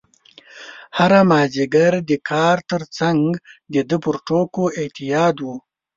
هره مازدیګر د کار ترڅنګ د ده پر ټوکو اعتیاد و.